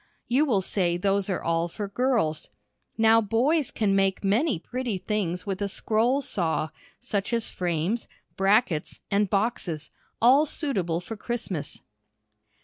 You will say those are all for girls. Now boys can make many pretty things with a scroll saw, such as frames, brackets, and boxes, all suitable for Christmas.